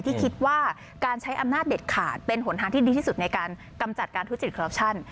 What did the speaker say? ที่คิดว่าการใช้อำนาจเด็ดขาดเป็นหนทางที่ดีที่สุดในการกำจัดการทุจริตคอรัปชั่น